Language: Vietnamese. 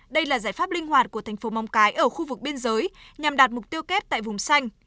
đây là giải pháp linh hoạt của thành phố mong cái ở khu vực biên giới nhằm đạt mục tiêu kép tại vùng xanh